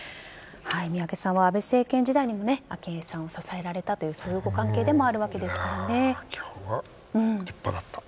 宮家さんは安倍政権自体にも昭恵さんを支えられたというそういうご関係でもあるわけですからね。